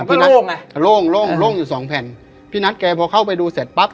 พี่นัทโล่งนะโล่งโล่งโล่งอยู่สองแผ่นพี่นัทแกพอเข้าไปดูเสร็จปั๊บ